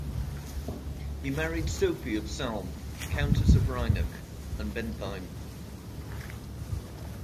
He married Sofie of Salm, Countess of Rheineck and Bentheim.